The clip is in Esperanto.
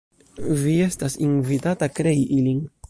Vi estas invitata krei ilin!